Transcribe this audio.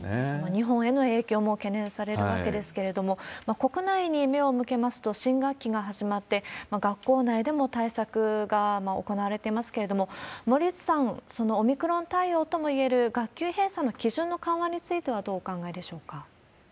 日本への影響も懸念されるわけですけれども、国内に目を向けますと、新学期が始まって、学校内でも対策が行われてますけれども、森内さん、そのオミクロン対応ともいえる学級閉鎖の基準の緩和についてはどうお考えでしょうか。